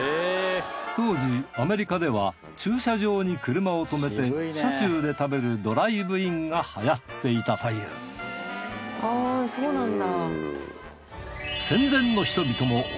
当時アメリカでは駐車場に車を停めて車中で食べるドライブインが流行っていたというああそうなんだ。